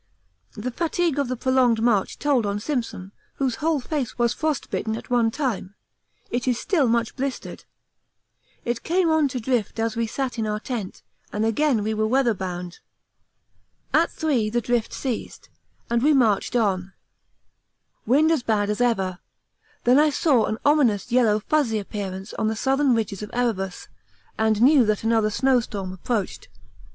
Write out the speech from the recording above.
The fatigue of the prolonged march told on Simpson, whose whole face was frostbitten at one time it is still much blistered. It came on to drift as we sat in our tent, and again we were weather bound. At 3 the drift ceased, and we marched on, wind as bad as ever; then I saw an ominous yellow fuzzy appearance on the southern ridges of Erebus, and knew that another snowstorm approached.